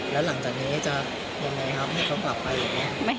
แล้วหลังจากนี้จะยังไงเพื่อปรับการไปยังไง